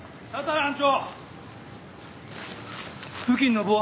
班長！